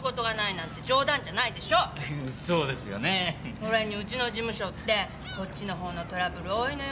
それにうちの事務所ってこっちのほうのトラブル多いのよ